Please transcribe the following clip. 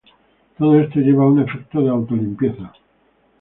Todo esto lleva a un efecto de auto-limpieza.